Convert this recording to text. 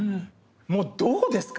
もうどうですか？